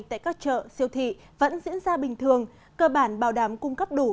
tại các chợ siêu thị vẫn diễn ra bình thường cơ bản bảo đảm cung cấp đủ